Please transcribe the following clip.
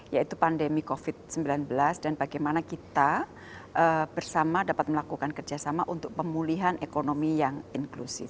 yaitu pandemi covid sembilan belas dan bagaimana kita bersama dapat melakukan kerjasama untuk pemulihan ekonomi yang inklusif